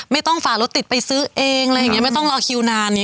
ไม่ต้องฝารถติดไปซื้อเองไม่ต้องรอคิวนาน